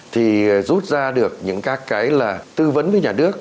thì rút ra được những các cái là tư vấn với nhà nước